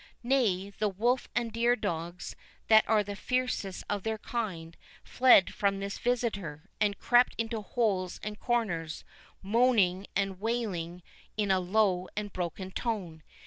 Nay, the wolf and deer dogs, that are the fiercest of their kind, fled from this visitor, and crept into holes and corners, moaning and wailing in a low and broken tone.